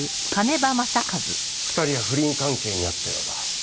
２人は不倫関係にあったようだ。